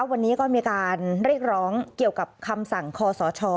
วันนี้ก็มีการเรียกร้องเกี่ยวกับคำสั่งคอสช